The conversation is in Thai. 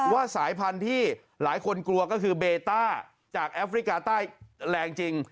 สายพันธุ์ที่หลายคนกลัวก็คือเบต้าจากแอฟริกาใต้แรงจริง